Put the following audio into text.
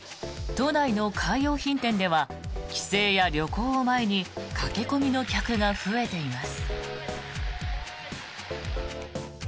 都内のカー用品店では帰省や旅行を前に駆け込みの客が増えています。